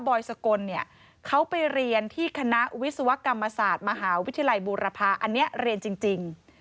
อยสกลเนี่ยเขาไปเรียนที่คณะวิศวกรรมศาสตร์มหาวิทยาลัยบูรพาอันนี้เรียนจริง